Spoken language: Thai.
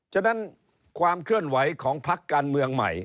ฉะนั้นความเคลื่อนไหวของพักการเมืองใหม่